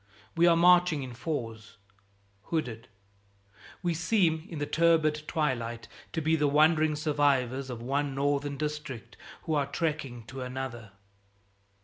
We are marching in fours, hooded. We seem in the turbid twilight to be the wandering survivors of one Northern district who are trekking to another.